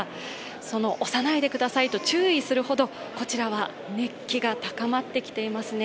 その押さないでくださいと注意するほど、こちらは熱気が高まっていますね。